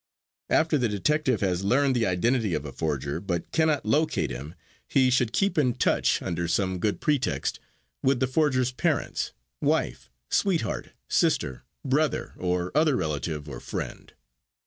After the detective has learned the identity of a forger but cannot locate him, he should keep in touch, under some good pretext, with the forger's parents, wife, sweetheart, sister, brother or other relative or friend.